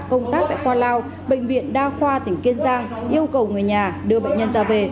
công tác tại khoa lao bệnh viện đa khoa tỉnh kiên giang yêu cầu người nhà đưa bệnh nhân ra về